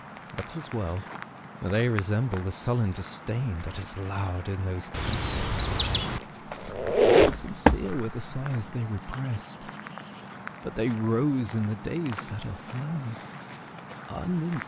But 't is well!—they resemble the sullen disdainThat has lowered in those insolent eyes. Sincere were the sighs they represt, But they rose in the days that are flown! Ah, nymph!